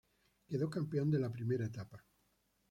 Quedó campeón de la primera etapa.